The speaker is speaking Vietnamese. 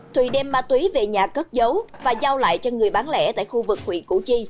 thùy đem ma túy về nhà cất giấu và giao lại cho người bán lẻ tại khu vực huyện củ chi